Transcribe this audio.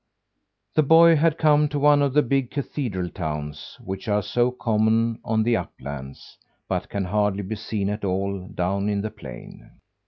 The boy had come to one of the big cathedral towns, which are so common on the uplands, but can hardly be seen at all down in the plain.